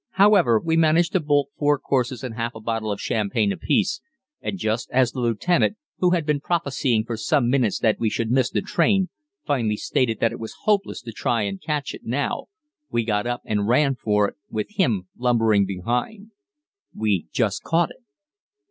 However, we managed to bolt four courses and half a bottle of champagne apiece, and just as the lieutenant, who had been prophesying for some minutes that we should miss the train, finally stated that it was hopeless to try and catch it now, we got up and ran for it, with him lumbering behind. We just caught it.